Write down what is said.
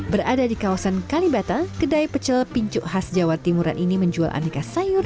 berada di kawasan kalibata kedai pecel pincuk khas jawa timuran ini menjual aneka sayur